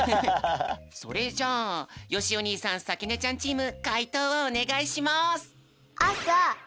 それじゃあよしお兄さんさきねちゃんチームかいとうをおねがいします。